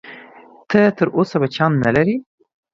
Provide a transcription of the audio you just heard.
ته تر اوسه بچیان نه لرې؟